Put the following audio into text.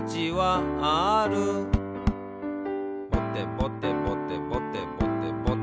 「ぼてぼてぼてぼてぼてぼて」